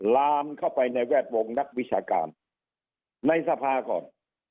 ลามเข้าไปในแวดวงนักวิชาการในสภาก่อน